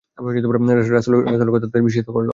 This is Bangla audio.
রাসূলের কথা তাদের বিস্মিত করল।